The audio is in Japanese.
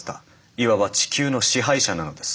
いわば地球の支配者なのです。